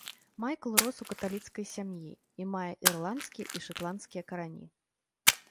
Майкл рос у каталіцкай сям'і, і мае ірландскія і шатландскія карані.